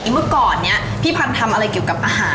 เมื่อก่อนนี้พี่พันธุ์ทำอะไรเกี่ยวกับอาหาร